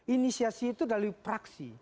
inisiasi itu dari praksi